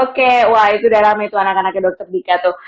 oke wah itu udah rame tuh anak anaknya dokter dika tuh